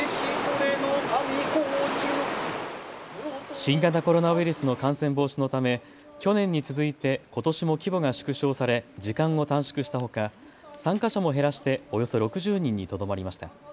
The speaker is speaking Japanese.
新型コロナウイルスの感染防止のため去年に続いてことしも規模が縮小され時間を短縮したほか参加者も減らしておよそ６０人にとどまりました。